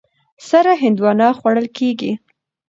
سره هندوانه خوړل کېږي.